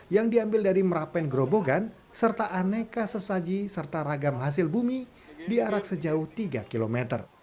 yang diambil dari merapen gerobogan serta aneka sesaji serta ragam hasil bumi diarak sejauh tiga km